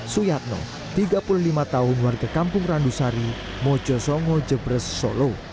suyatno tiga puluh lima tahun warga kampung randusari mojo songo jebres solo